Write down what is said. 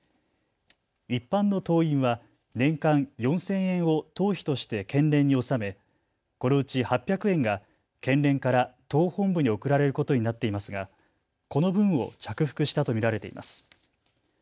一般の党員は年間４０００円を党費として県連に納めこのうち８００円が県連から党本部に送られることになっていますが、この分を着服したと見られています。